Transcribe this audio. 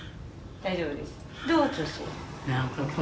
大丈夫です。